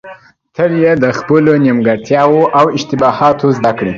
تل يې له خپلو نيمګړتياوو او اشتباهاتو زده کړئ.